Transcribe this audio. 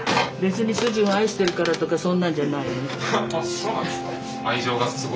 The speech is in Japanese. そうなんですか？